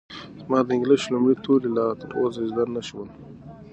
زما د انګلیسي لومړي توري لا تر اوسه زده نه شول.